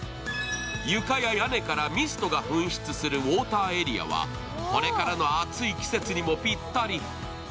床や屋根からミストが噴出するウォーターエリアはこれからの暑い季節にもぴったり。